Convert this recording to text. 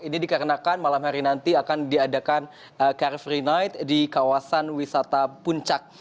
ini dikarenakan malam hari nanti akan diadakan car free night di kawasan wisata puncak